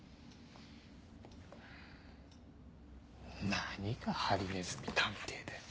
何が『ハリネズミ探偵』だよ。